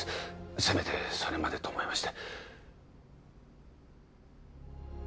せめてそれまでと思いまして